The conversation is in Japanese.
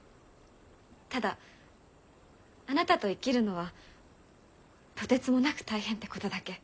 ただあなたと生きるのはとてつもなく大変ってことだけ。